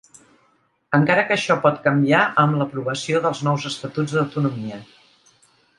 Encara que això pot canviar amb l'aprovació dels nous estatuts d'autonomia.